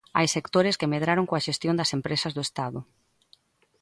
Hai sectores que medraron coa xestión das empresas do Estado.